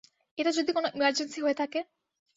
এটা যদি কোনো ইমার্জেন্সি হয়ে থাকে?